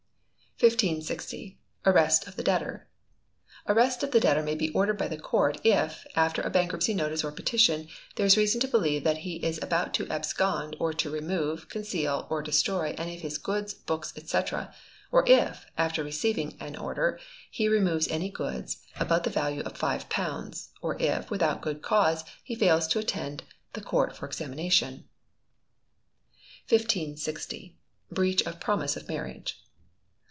1560. Arrest of the Debtor. Arrest of the debtor may be ordered by the Court if, after a bankruptcy notice or petition, there is reason to believe he is about to abscond or to remove, conceal, or destroy any of his goods, books, &c., or if, after a receiving order, he removes any goods above the value of £5, or if, without good cause, he fails to attend the Court for examination. 1561. Breach of Promise of Marriage.